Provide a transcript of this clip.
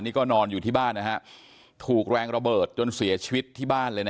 นี่ก็นอนอยู่ที่บ้านนะฮะถูกแรงระเบิดจนเสียชีวิตที่บ้านเลยนะ